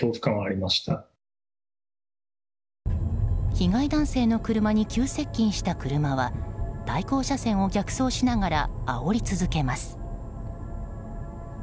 被害男性の車に急接近した車は対向車線を逆走しながらあおり続けます。